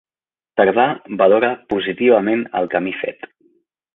Tardà valora positivament el camí fet.